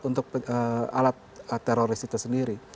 untuk alat teroris itu sendiri